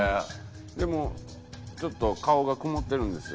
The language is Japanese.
でもちょっと顔が曇ってるんですよ